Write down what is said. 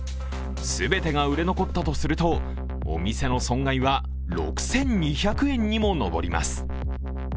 全てが売れ残ったとするとお店の損害は６２００円にも上ります。